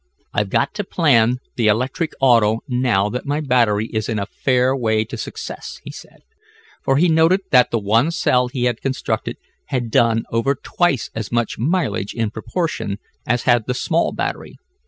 "I've got to plan the electric auto now that my battery is in a fair way to success," he said, for he noted that the one cell he had constructed had done over twice as much mileage in proportion, as had the small battery.